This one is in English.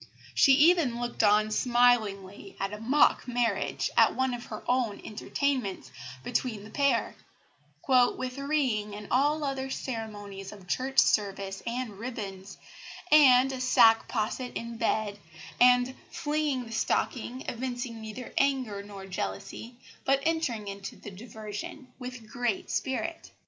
She even looked on smilingly at a mock marriage, at one of her own entertainments, between the pair "with ring and all other ceremonies of church service and ribands, and a sack posset in bed, and flinging the stocking, evincing neither anger nor jealousy, but entering into the diversion with great spirit."